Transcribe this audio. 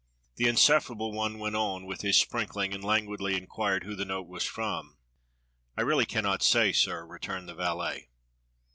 The insufferable one went on with his sprinkling and languidly inquired w^ho the note was from. "I really cannot say, sir," returned the valet.